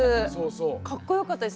かっこよかったです。